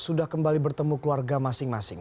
sudah kembali bertemu keluarga masing masing